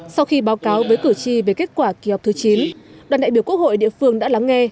sau khi báo cáo với cử tri về kết quả kỳ họp thứ chín đoàn đại biểu quốc hội địa phương đã lắng nghe